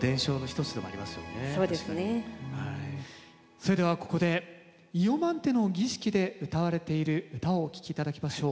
それではここでイヨマンテの儀式でうたわれている唄をお聴き頂きましょう。